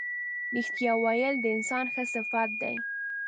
رښتیا ویل د انسان ښه صفت دی.